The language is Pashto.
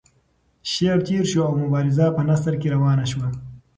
شعر تیر شو او مبارزه په نثر کې روانه شوه.